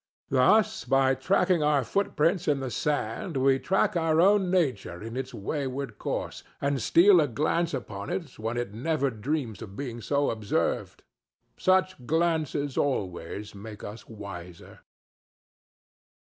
Thus by tracking our footprints in the sand we track our own nature in its wayward course, and steal a glance upon it when it never dreams of being so observed. Such glances always make us wiser.